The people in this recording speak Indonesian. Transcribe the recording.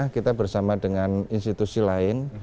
kita bersama dengan institusi lain